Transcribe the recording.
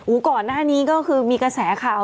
ก่อนหน้านี้ก็คือมีกระแสข่าว